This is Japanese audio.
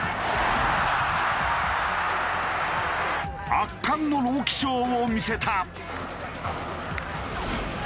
圧巻の朗希ショーを見せた。